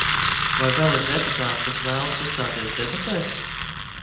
Vai vēl ir deputāti, kas vēlas uzstāties debatēs?